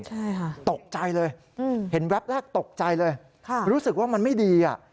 ใช่ค่ะตกใจเลยเห็นแรกตกใจเลยรู้สึกว่ามันไม่ดี